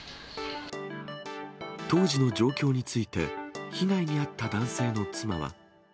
当時の状況について、被害に遭った男性の妻は。